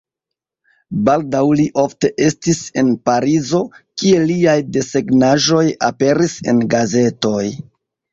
Baldaŭ li ofte estis en Parizo, kie liaj desegnaĵoj aperis en gazetoj.